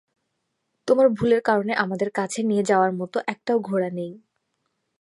তোমার ভুলের কারণে আমাদের কাছে নিয়ে যাওয়ার মতো একটাও ঘোড়া নেই।